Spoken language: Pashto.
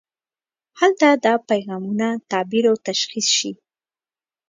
هلته دا پیغامونه تعبیر او تشخیص شي.